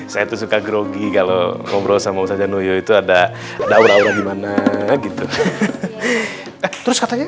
saya tuh suka grogi kalau ngobrol sama usaha itu ada ada orang gimana gitu terus katanya